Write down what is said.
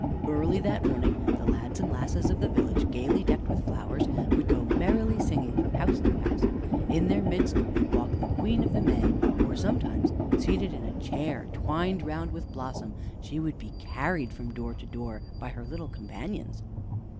Early that morning the lads and lasses of the village, gaily decked with flowers, would go merrily singing from house to house. In their midst would walk the Queen of the May, or sometimes, seated in a chair twined round with blossom, she would be carried from door to door by her little companions.